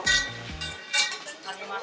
lagi perawatan pembersihan